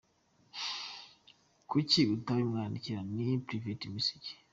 Kuki utabimwandikira in a private message?